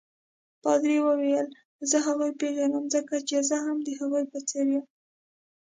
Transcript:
پادري وویل: زه هغوی پیژنم ځکه چې زه هم د هغوی په څېر یم.